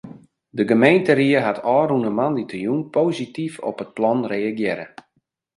De gemeenteried hat ôfrûne moandeitejûn posityf op it plan reagearre.